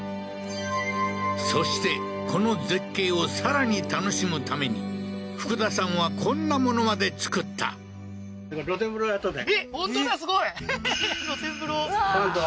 そしてこの絶景をさらに楽しむために福田さんはこんな物まで造ったははは